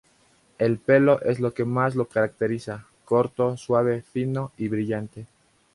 El pelo es lo que más lo caracteriza: corto, suave, fino y brillante.